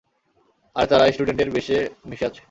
আর তারা স্টুডেন্ট এর বেশে মিশে আছে।